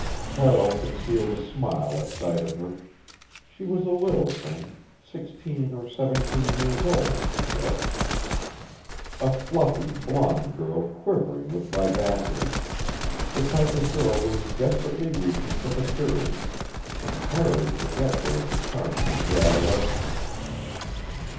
Carroll concealed a smile at sight of her. She was a little thing sixteen or seventeen years old, he judged a fluffy, blond girl quivering with vivacity; the type of girl who is desperately reaching for maturity, entirely forgetful of the charms of her adolescence.